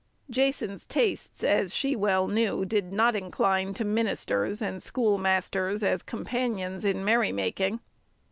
Jason's tastes, as she well knew, did not incline to ministers and schoolmasters as companions in merrymaking.